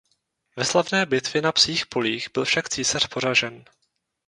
Ve slavné bitvě na Psích polích byl však císař poražen.